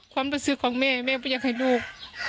ความประสิทธิ์ของแม่แม่ก็ยังให้ลูก